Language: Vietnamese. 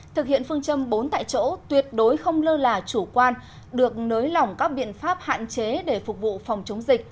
thực hiện phương châm bốn tại chỗ tuyệt đối không lơ là chủ quan được nới lỏng các biện pháp hạn chế để phục vụ phòng chống dịch